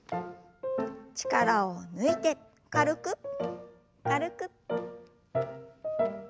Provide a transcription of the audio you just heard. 力を抜いて軽く軽く。